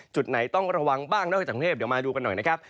จุดไหนต้องระวังบ้างนอกจากกรุงเทพเดี๋ยวมาดูกันหน่อยนะครับ